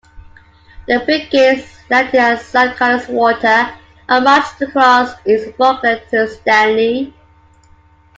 The Brigade landed at San Carlos Water and marched across East Falkland to Stanley.